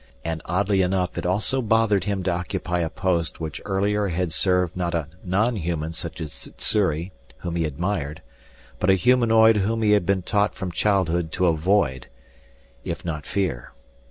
And oddly enough it also bothered him to occupy a post which earlier had served not a nonhuman such as Sssuri, whom he admired, but a humanoid whom he had been taught from childhood to avoid if not fear.